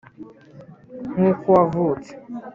nkuko wavutse